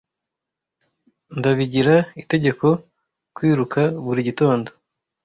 Ndabigira itegeko kwiruka buri gitondo.